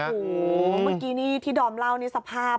โหที่มาที่ด่อเราเลยคือสภาพ